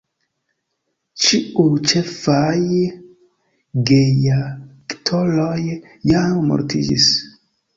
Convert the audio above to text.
Ĉiuj ĉefaj geaktoroj jam mortiĝis.